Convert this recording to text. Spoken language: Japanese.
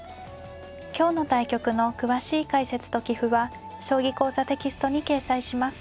今日の対局の詳しい解説と棋譜は「将棋講座」テキストに掲載します。